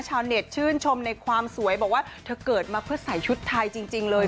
ชาวเน็ตชื่นชมในความสวยบอกว่าเธอเกิดมาเพื่อใส่ชุดไทยจริงเลย